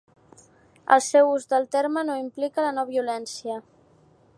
El seu ús del terme no implica la no-violència.